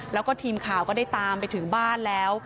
แล้วก็ทีมข่าวก็ได้ตามไปถึงบ้านแล้ว